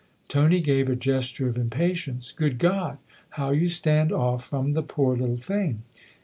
Tony gave a gesture of impatience. " Good God, how you stand off from the poor little thing